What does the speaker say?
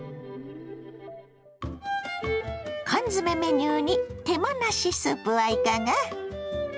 缶詰メニューに手間なしスープはいかが。